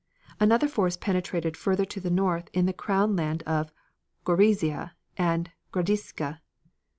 Another force penetrated further to the north in the Crown land of Gorizia, and Gradisca.